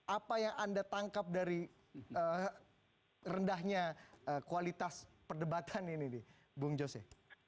apa yang anda tangkap dari rendahnya kualitas perdebatan ini nih bung jose